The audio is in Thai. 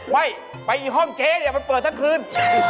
ไม่ไปอีกห้องเจ๊เขาเปิดทั้งคืน